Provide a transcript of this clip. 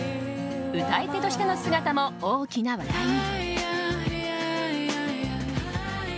歌い手としての姿も大きな話題に。